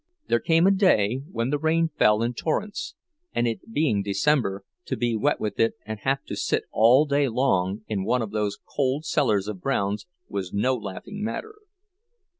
There came a day when the rain fell in torrents; and it being December, to be wet with it and have to sit all day long in one of the cold cellars of Brown's was no laughing matter.